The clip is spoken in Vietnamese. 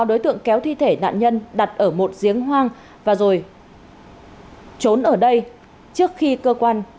đối tượng kéo thi thể nạn nhân đặt ở một giếng hoang và rồi trốn ở đây trước khi cơ quan